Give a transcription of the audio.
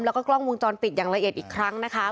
แล้วก็กล้องวงจรปิดอย่างละเอียดอีกครั้งนะคะ